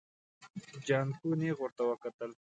جانکو نيغ ورته وکتل.